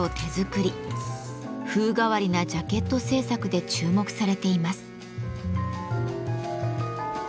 風変わりなジャケット制作で注目されています。